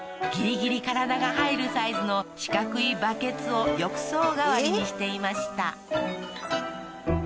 ギリギリ体が入るサイズの四角いバケツを浴槽代わりにしていました